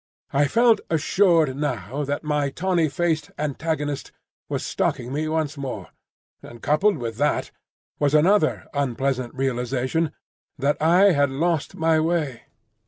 I felt assured now that my tawny faced antagonist was stalking me once more; and coupled with that was another unpleasant realisation, that I had lost my way.